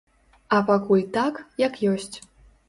А пакуль так, як ёсць.